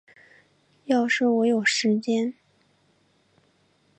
要是我有时间